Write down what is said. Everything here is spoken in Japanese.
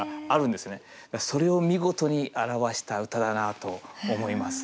それを見事に表した歌だなと思います。